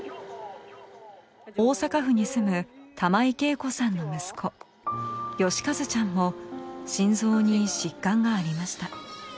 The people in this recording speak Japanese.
大阪府に住む玉井敬子さんの息子芳和ちゃんも心臓に疾患がありました。